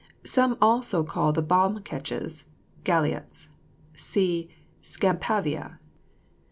Some also call the bomb ketches galliots. (See SCAMPAVIA.)